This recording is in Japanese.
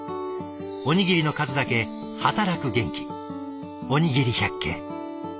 おにぎりの数だけ働く元気。